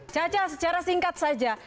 caca secara singkat saja